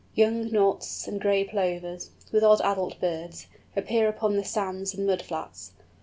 Young Knots and Gray Plovers, with odd adult birds, appear upon the sands and mudflats.